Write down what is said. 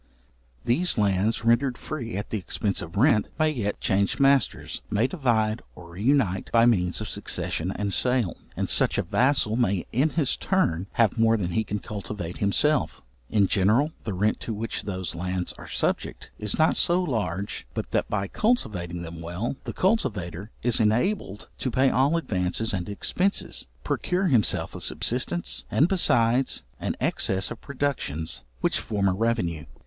These lands, rendered free at the expence of rent, may yet change masters, may divide or reunite by means of succession and sale; and such a vassal may in his turn have more than he can cultivate himself. In general the rent to which those lands are subject, is not so large, but that, by cultivating them well, the cultivator is enabled to pay all advances, and expences, procure himself a subsistence, and besides, an excess of productions which form a revenue.